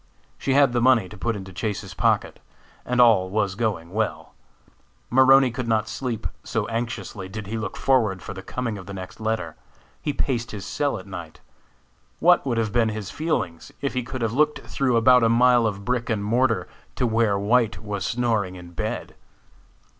She had the money to put into Chase's pocket, and all was going well. Maroney could not sleep, so anxiously did he look forward for the coming of the next letter; he paced his cell all night. What would have been his feelings if he could have looked through about a mile of brick and mortar to where White was snoring in bed?